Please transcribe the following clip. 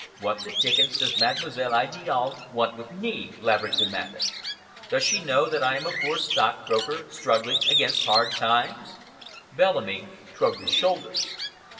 "What the dickens does Mademoiselle Idiale want with me?" Laverick demanded. "Does she know that I am a poor stockbroker, struggling against hard times?" Bellamy shrugged his shoulders.